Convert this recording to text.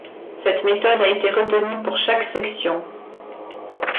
Cette méthode a été retenue pour chaque section.